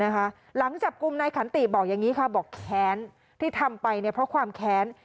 หลังจับกลุ่มนายขันติบอกอย่างนี้ค่ะบอกแค้นที่ทำไปเพราะความแค้น